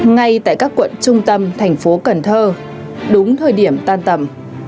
ngay tại các quận trung tâm thành phố cần thơ đúng thời điểm tan tầm